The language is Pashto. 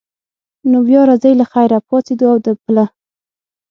نو بیا راځئ له خیره، پاڅېدو او د پله.